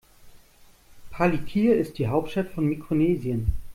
Palikir ist die Hauptstadt von Mikronesien.